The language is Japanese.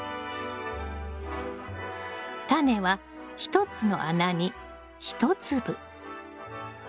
タネは１つの穴に１粒。